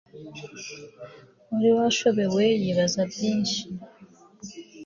wari washobewe yibaza byinshi